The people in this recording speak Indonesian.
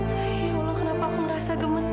ya allah kenapa aku merasa gemeter ya